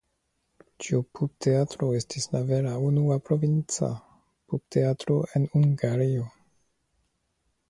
Tiu pupteatro estis la vera unua provinca pupteatro en Hungario.